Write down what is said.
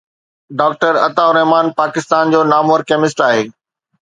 Doctor Atta ur-Rahman Pakistan جو نامور chemist آهي.